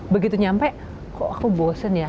begitu nyampe kok aku bosen ya